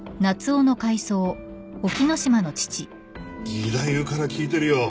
義太夫から聞いてるよ